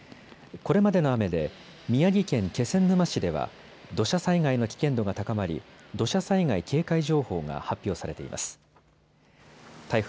これまでの雨で宮城県気仙沼市では土砂災害の危険度が高まり土砂災害警戒情報が発表されています。